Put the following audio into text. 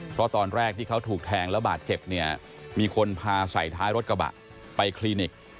เพราะตอนแรกที่เขาถูกแทงแล้วบาดเจ็บเนี่ยมีคนพาใส่ท้ายรถกระบะไปคลินิก